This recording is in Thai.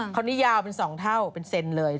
คราวนี้ยาวเป็น๒เท่าเป็นเซนเลย